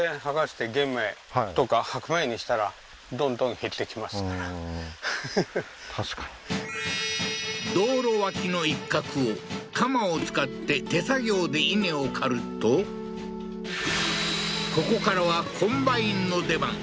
へえー確かに道路脇の一画を鎌を使って手作業で稲を刈るとここからはコンバインの出番